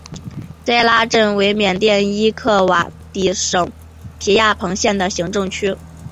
斋拉镇为缅甸伊洛瓦底省皮亚朋县的行政区。